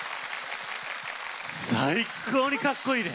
最高にかっこいいね！